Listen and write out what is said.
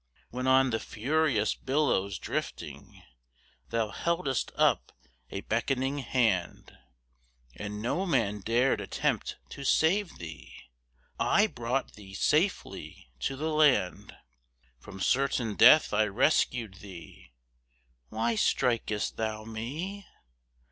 When on the furious billows drifting Thou heldest up a beckoning hand, And no man dared attempt to save thee, I brought thee safely to the land. From certain death I rescued thee: Why strik'st thou me?